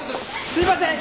すいません！